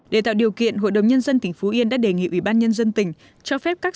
để tạo điều kiện hội đồng nhân dân tỉnh phú yên đã đề nghị ủy ban nhân dân tỉnh cho phép các